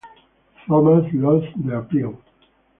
Thomas lost the appeal.